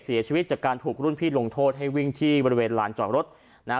เสียชีวิตจากการถูกรุ่นพี่ลงโทษให้วิ่งที่บริเวณลานจอดรถนะฮะ